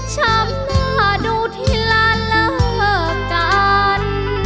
ทำหน้าดูที่ลาเลิกกัน